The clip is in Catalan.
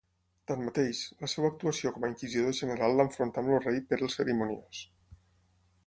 Tanmateix, la seva actuació com a Inquisidor General l'enfrontà amb el rei Pere el Cerimoniós.